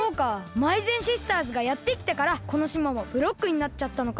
まいぜんシスターズがやってきたからこの島もブロックになっちゃったのか。